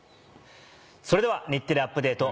それでは『日テレアップＤａｔｅ！』